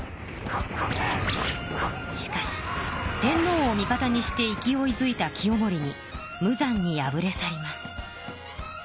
しかし天のうを味方にして勢いづいた清盛に無残に敗れ去ります。